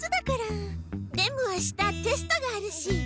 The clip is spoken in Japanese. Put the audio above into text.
でもあしたテストがあるし。